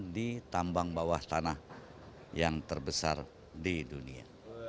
di tambang bawah tanah yang terbesar di dunia